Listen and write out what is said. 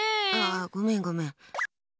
ごめん、ごめん。